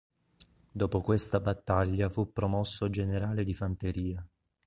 Dopo questa battaglia fu promosso generale di fanteria.